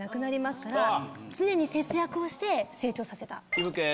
常に節約をして成長させた。